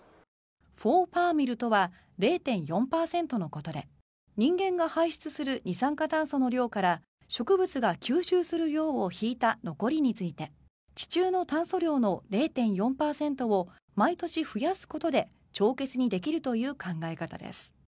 ４パーミルとは０．４％のことで人間が排出する二酸化炭素の量から植物が吸収する量を引いた残りについて地中の炭素量の０．４％を毎年増やすことで帳消しにできるという考え方です。